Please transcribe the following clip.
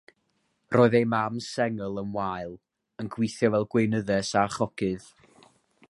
Roedd ei mam sengl yn wael, yn gweithio fel gweinyddes a chogydd.